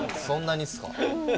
そんなにっすか？